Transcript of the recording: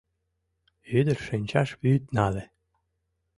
Ӱдыр шинчаш вӱд нале.